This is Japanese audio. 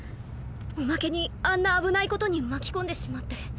おまけにあんな危ないことに巻き込んでしまって。